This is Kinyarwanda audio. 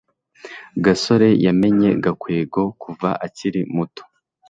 gasore yamenye gakwego kuva akiri muto